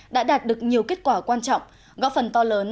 đã đạt được nhiều kết quả quan trọng góp phần to lớn